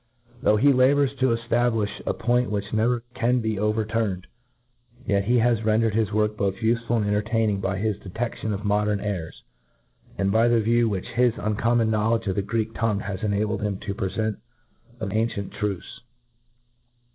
Though he labours to eftaWifh a point which never can be overturned, yet he has ren dered his work both ufeful and entertaining, by his dete^ion of modem errors, and by the view which his uncommon knowledge of the Greek tongue has enabled him to pirefent of ancient' truths.